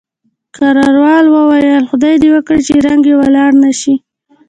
کراول وویل، خدای دې وکړي چې رنګ یې ولاړ نه شي.